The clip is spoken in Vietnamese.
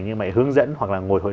nhưng mà hướng dẫn hoặc là ngồi hội